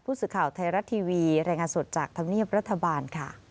ผู้สื่อข่าวไทยรัฐทีวีแรงงานสดจากธรรมเนียมรัฐบาล